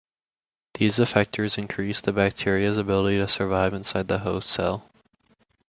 These effectors increase the bacteria's ability to survive inside the host cell.